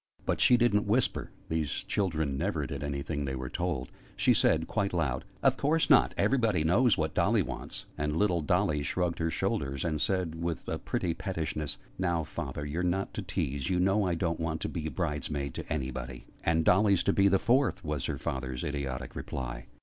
But she didn't whisper (these children never did anything they were told): she said, quite loud, "Of course not! Everybody knows what Dotty wants!" And little Dolly shrugged her shoulders, and said, with a pretty pettishness, "Now, Father, you're not to tease! You know I don't want to be bride's maid to anybody!" "And Dolly's to be the fourth," was her father's idiotic reply.